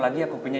nah ini opennya